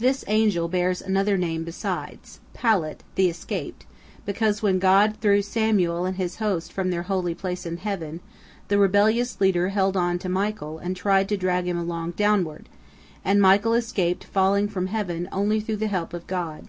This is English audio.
This angel bears another name besides, Palit, the escaped, because when God threw Samael and his host from their holy place in heaven, the rebellious leader held on to Michael and tried to drag him along downward, and Michael escaped falling from heaven only through the help of God.